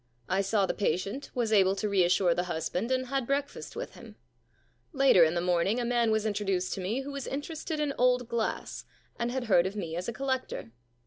I saw the patient, was able to reassure the husband, and had break fast with him. Later in the morning a man was introduced to me who was interested in old glass and had heard of me as a collector.